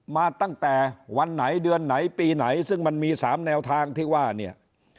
มาตั้งแต่วันไหนเดือนไหนปีไหนซึ่งมันมี๓แนวทางที่ว่าเนี่ย